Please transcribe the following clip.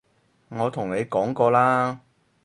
我同你講過啦